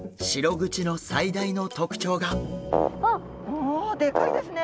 おでかいですね。